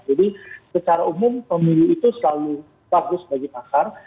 jadi secara umum pemilu itu selalu bagus bagi pasar